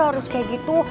harus kayak gitu